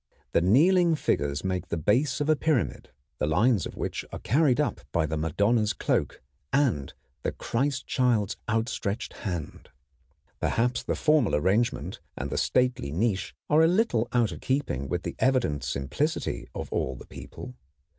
The kneeling figures make the base of a pyramid, the lines of which are carried up by the Madonna's cloak and the Christ Child's outstretched hand. Perhaps the formal arrangement and the stately niche are a little out of keeping with the evident simplicity of all the people.